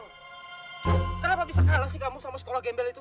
kenapa bisa kalah sih kamu sama sekolah gembel itu